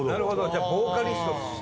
じゃあボーカリストとして？